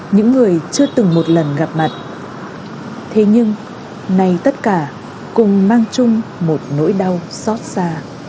những người chưa từng một lần gặp mặt thế nhưng nay tất cả cùng mang chung một nỗi đau xót xa